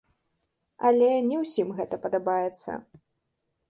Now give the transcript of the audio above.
Але не ўсім гэта падабаецца.